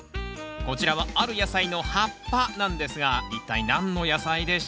こちらはある野菜の葉っぱなんですが一体何の野菜でしょうか？